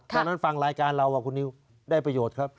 ตอนนั้นฟังรายการเราคุณนิวได้ประโยชน์ครับ